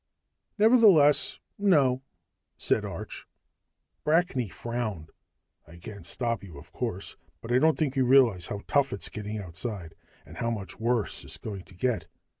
"Nevertheless, no," said Arch. Brackney frowned. "I can't stop you, of course. But I don't think you realize how tough it's getting outside, and how much worse it's going to get.